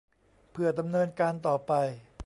เพื่อดำเนินการต่อไป